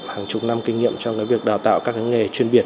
hàng chục năm kinh nghiệm trong việc đào tạo các nghề chuyên biệt